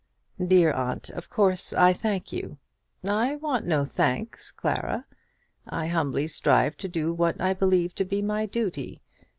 "Dear aunt, of course I thank you." "I want no thanks, Clara. I humbly strive to do what I believe to be my duty.